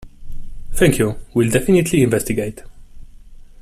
Thank you. Will definitely investigate.